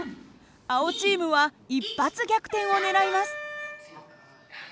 青チームは一発逆転を狙います。